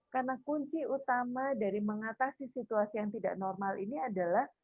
karena kunci utama dari mengatasi situasi yang tidak normal ini adalah